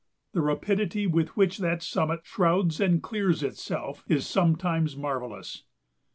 The rapidity with which that summit shrouds and clears itself is sometimes marvellous.